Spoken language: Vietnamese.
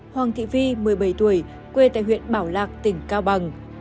hoàng thị vi một mươi bảy tuổi quê tại huyện bảo lạc tỉnh cao bằng